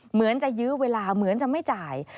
เหมือนจะยื้อเวลาเหมือนจะไม่จ่าย